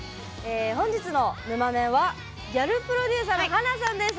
本日のぬまメンはギャルプロデューサーの華さんです。